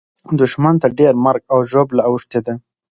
دښمن ته ډېره مرګ او ژوبله اوښتې ده.